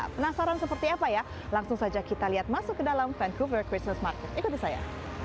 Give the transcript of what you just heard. penasaran seperti apa ya langsung saja kita lihat masuk ke dalam vancouver christmas mark ikuti saya